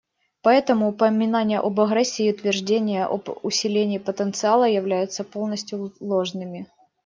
Поэтому упоминания об агрессии и утверждения об усилении потенциала являются полностью ложными.